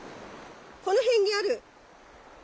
この辺にある！